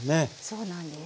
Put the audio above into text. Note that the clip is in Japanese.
そうなんです。